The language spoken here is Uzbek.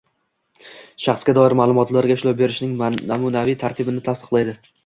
Shaxsga doir ma’lumotlarga ishlov berishning namunaviy tartibini tasdiqlaydi;